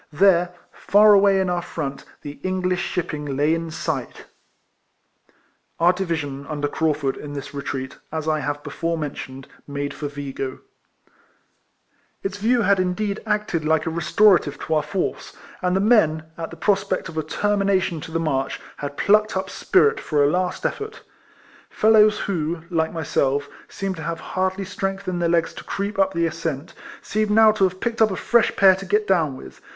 There, far away in our front, the English shipping lay in sight.* Its view had indeed acted like a restora tive to our force, and the men, at the prospect of a termination to the march, had plucked up spirit for a last effort. Fellows who, like myself, seemed to have hardly strength in their legs to creep up the ascent, seemed now to have picked up a fresh pair to get down with.